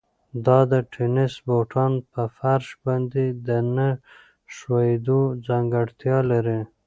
دا د تېنس بوټان په فرش باندې د نه ښویېدو ځانګړتیا لري.